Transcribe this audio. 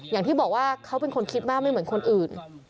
อย่างที่บอกว่าเขาเป็นคนคิดมากไม่เหมือนคนอื่น